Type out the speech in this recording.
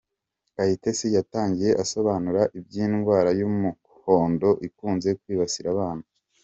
Kayitesi yatangiye asobanura iby’indwara y’umuhondo ikunze kwibasira abana.